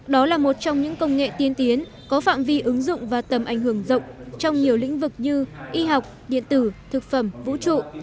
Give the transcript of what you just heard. đó là một trong những công nghệ tiên tiến có phạm vi ứng dụng và tầm ảnh hưởng rộng trong nhiều lĩnh vực như y học điện tử thực phẩm vũ trụ